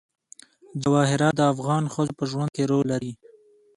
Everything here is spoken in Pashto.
جواهرات د افغان ښځو په ژوند کې رول لري.